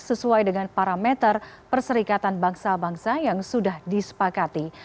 sesuai dengan parameter perserikatan bangsa bangsa yang sudah disepakati